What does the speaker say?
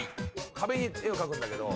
壁に絵を描くんだけど。